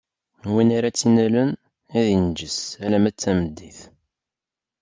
Win ara tt-innalen, ad inǧes alamma d tameddit.